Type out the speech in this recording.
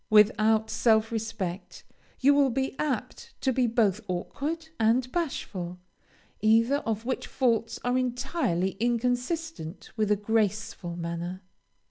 Without self respect you will be apt to be both awkward and bashful; either of which faults are entirely inconsistent with a graceful manner.